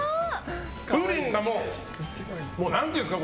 プリンがもう、何ていうんですか。